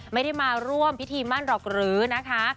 ไม่ได้มาร่วมพิธีมั่นหรอกหรือนะคะ